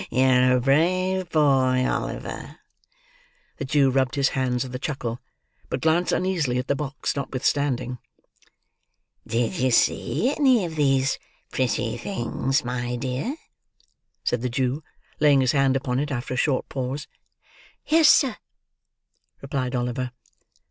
you're a brave boy, Oliver." The Jew rubbed his hands with a chuckle, but glanced uneasily at the box, notwithstanding. "Did you see any of these pretty things, my dear?" said the Jew, laying his hand upon it after a short pause. "Yes, sir," replied Oliver.